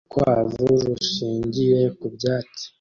Urukwavu rushingiye ku byatsi